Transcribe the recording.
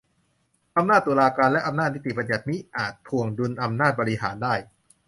อำนาจตุลาการ และอำนาจนิติบัญญัติ มิอาจถ่วงดุลอำนาจบริหารได้